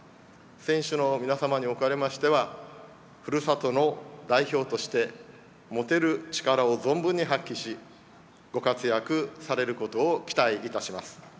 選手の皆様におかれましてはふるさとの代表として持てる力を存分に発揮しご活躍されることを期待いたします。